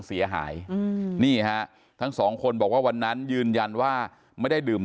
เสียหายอืมนี่ฮะทั้งสองคนบอกว่าวันนั้นยืนยันว่าไม่ได้ดื่ม